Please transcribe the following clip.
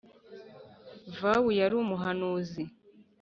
Vawu yari umuhanuzi